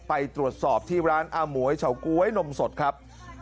ไปตรวจสอบที่ร้านอาหมวยเฉาก๊วยนมสดครับ